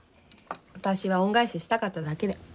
私は恩返ししたかっただけで。